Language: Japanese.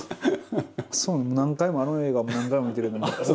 何回もあの映画何回も見てるんで。